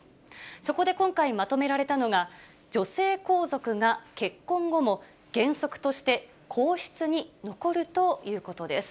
そこで今回まとめられたのが、女性皇族が結婚後も原則として皇室に残るということです。